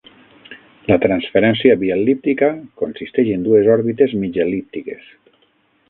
La transferència biel·líptica consisteix en dues òrbites mig el·líptiques.